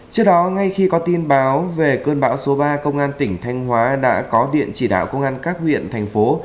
trước đó ngay khi có tin báo về cơn bão số ba công an tỉnh thanh hóa đã có điện chỉ đạo công an các huyện thành phố